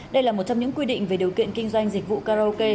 đây là một trong những quy định về điều kiện kinh doanh dịch vụ karaoke